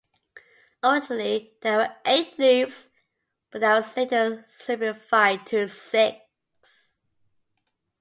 Originally there were eight loops, but that was later simplified to six.